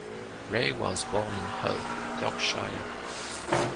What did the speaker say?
Wray was born in Hull, Yorkshire.